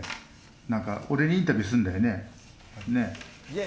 何か俺にインタビューするんだよね。